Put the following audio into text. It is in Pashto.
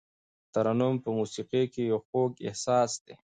ترنم په موسیقۍ کې یو خوږ احساس دی.